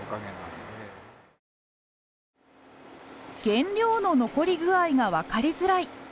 原料の残り具合がわかりづらい。